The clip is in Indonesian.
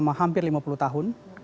yang pertama pengalaman berikutnya